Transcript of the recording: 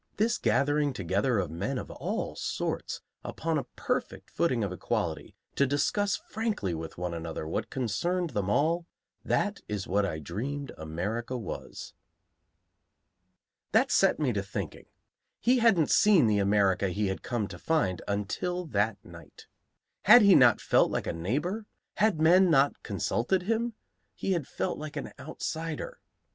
This gathering together of men of all sorts upon a perfect footing of equality to discuss frankly with one another what concerned them all, that is what I dreamed America was." That set me to thinking. He hadn't seen the America he had come to find until that night. Had he not felt like a neighbor? Had men not consulted him? He had felt like an outsider.